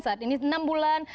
saat ini enam bulan